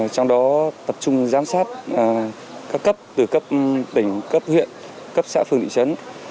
trong đó tập trung giám sát các cấp từ cấp tỉnh cấp huyện cấp xã phường thị trấn